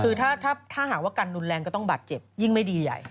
คือถ้าหากว่ากันรุนแรงก็ต้องบาดเจ็บยิ่งไม่ดีใหญ่